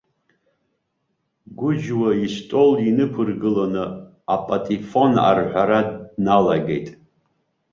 Гәыџьуа истол инықәыргыланы, апатифон арҳәара дналагеит.